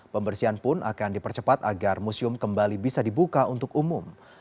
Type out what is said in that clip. pembersihan pun akan dipercepat agar museum kembali bisa dibuka untuk umum